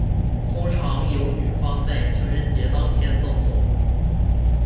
通常由女方在情人节当天赠送。